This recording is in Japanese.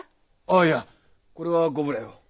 あいやこれは御無礼を。